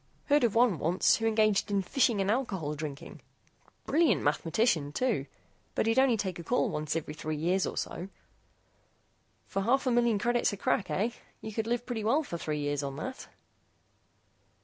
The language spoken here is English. Heard of one once who engaged in fishing and alcohol drinking. Brilliant mathematician, too. But he'd only take a call once every three years or so." "For a half million credits a crack, eh? You could live pretty well for three years on that."